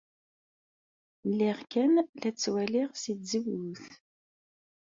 Lliɣ kan la ttwaliɣ seg tzewwut.